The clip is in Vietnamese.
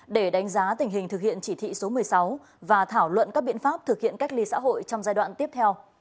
để đánh giá tình hình thực hiện chỉ thị số một mươi sáu và thảo luận các biện pháp thực hiện cách ly xã hội trong giai đoạn tiếp theo